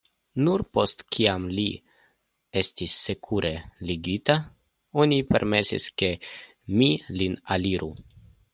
Nur post kiam li estis sekure ligita oni permesis ke mi lin aliru.